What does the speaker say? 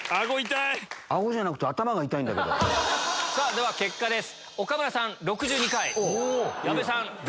では結果です。